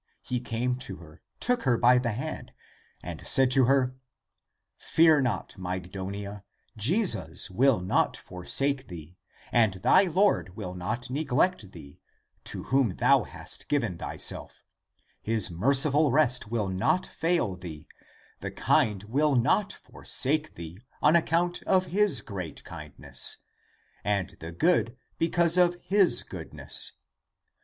He came to her, took her by the hand, and said to her, " Fear not, Mygdonia ; Jesus will not forsake thee, and thy Lord will not neglect thee, to whom thou hast given thyself; his merciful rest will not fail thee ; the kind will not forsake thee on account of his great kindness, and the good because of his goodness.